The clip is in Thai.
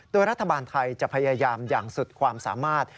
โดยรัฐบาลไทยจะพยายามอย่างสุดความสามารถ